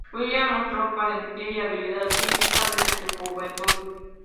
William mostró valentía y habilidad física desde su juventud.